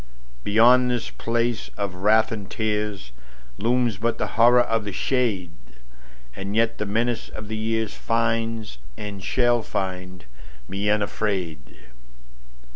Beyond this place of wrath and tearsLooms but the Horror of the shade, And yet the menace of the yearsFinds, and shall find, me unafraid.